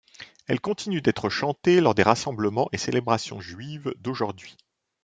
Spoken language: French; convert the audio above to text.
Elle continue d'être chantée lors des rassemblements et célébrations juives d'aujourd'hui.